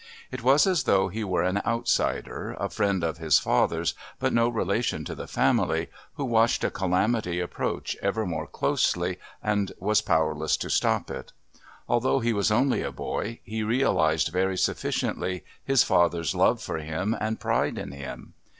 It was as though he were an outsider, a friend of his father's, but no relation to the family, who watched a calamity approach ever more closely and was powerless to stop it. Although he was only a boy he realised very sufficiently his father's love for him and pride in him.